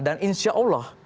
dan insya allah